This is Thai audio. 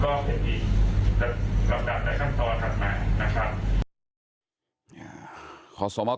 หรือว่าจะใช้วิธีการอย่างไรเนี่ยก็เป็นอีกกระดับแต่ขั้นต่อถัดใหม่นะครับ